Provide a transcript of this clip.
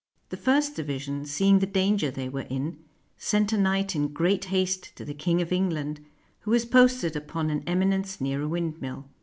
The first division, seeing the danger they were in, sent a knight in great haste to the King of England, who was posted upon an eminence near a windmill.